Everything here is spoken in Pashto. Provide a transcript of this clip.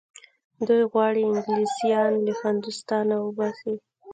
دوی غواړي انګلیسیان له هندوستانه وباسي.